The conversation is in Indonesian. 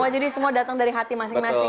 jadi semua datang dari hati masing masing ya mas